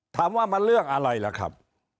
ถามว่ามันเรื่องอะไรล่ะครับ